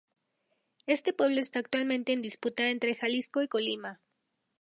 Este pueblo esta actualmente en disputa entre Jalisco y Colima.